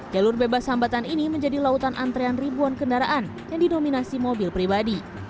jalur bebas hambatan ini menjadi lautan antrean ribuan kendaraan yang didominasi mobil pribadi